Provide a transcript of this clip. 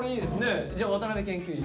じゃあ渡辺研究員。